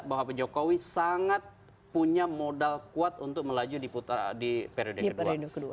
bahwa pak jokowi sangat punya modal kuat untuk melaju di periode kedua